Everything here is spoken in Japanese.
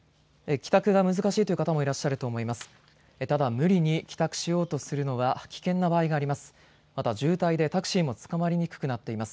帰宅が難しいという方もいらっしゃると思います。